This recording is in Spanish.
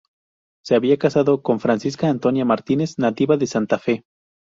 Se había casado con Francisca Antonia Martínez, nativa de Santa Fe.